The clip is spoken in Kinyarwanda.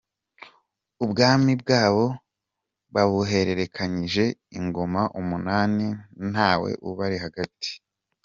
Ubwami bwabo babuhererekanyije ingoma umunani nta we ubari hagati.